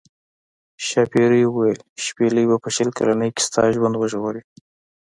ښاپیرۍ وویل شپیلۍ به په شل کلنۍ کې ستا ژوند وژغوري.